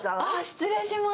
失礼します。